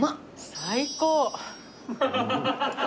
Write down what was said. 最高！